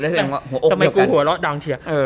ทำไมกูหัวเราะดังเชียร์